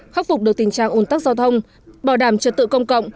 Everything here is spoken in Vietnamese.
khắc phục được tình trạng ồn tắc giao thông bảo đảm trật tự công cộng